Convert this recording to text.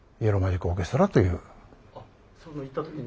その行った時に？